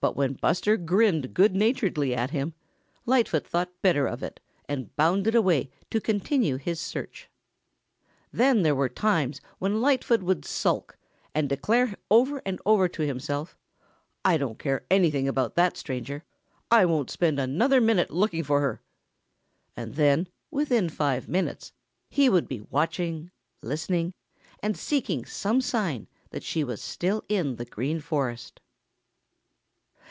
But when Buster grinned good naturedly at him, Lightfoot thought better of it and bounded away to continue his search. Then there were times when Lightfoot would sulk and would declare over and over to himself, "I don't care anything about that stranger. I won't spend another minute looking for her," And then within five minutes he would be watching, listening and seeking some sign that she was still in the Green Forest.